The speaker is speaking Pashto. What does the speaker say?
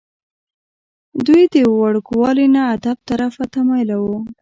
دوي د وړوکوالي نه ادب طرف ته مائله وو ۔